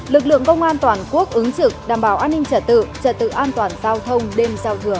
lực lượng công an toàn quốc ứng trực đảm bảo an ninh trả tự trật tự an toàn giao thông đêm giao thừa